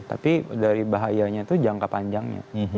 tapi dari bahayanya itu jangka panjangnya